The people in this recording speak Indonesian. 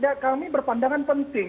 dan kami berpandangan penting